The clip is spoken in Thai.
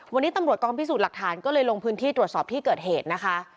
วันนี้ตำรวจกองพิสูจน์หลักฐานก็เลยลงพื้นที่ตรวจสอบที่เกิดเหตุนะคะ